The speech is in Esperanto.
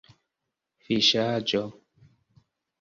fiŝaĵo